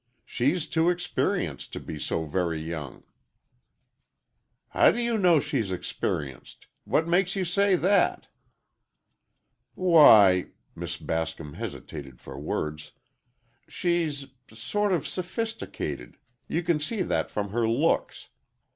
"She's too experienced to be so very young." "How do you know she's experienced? What makes you say that?" "Why," Miss Bascom hesitated for words, "she's—sort of sophisticated—you can see that from her looks.